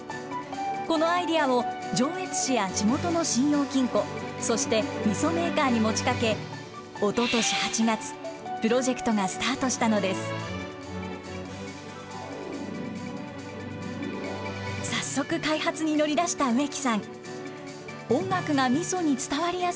このアイデアを、上越市や地元の信用金庫、そしてみそメーカーに持ちかけ、おととし８月、プロジェクトがスタートしたのです。